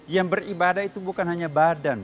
yang beribadah itu bukan hanya badan